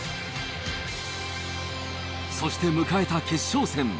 そして迎えた決勝戦。